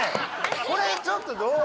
これちょっとどう？